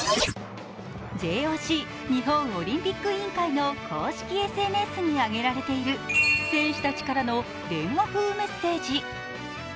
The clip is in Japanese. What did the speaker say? ＪＯＣ＝日本オリンピック委員会の公式ＳＮＳにあげられている選手たちからの電話風メッセージ。